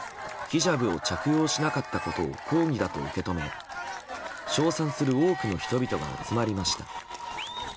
ヒジャブを着用しなかったことを抗議だと受け止め、称賛する多くの人々が集まりました。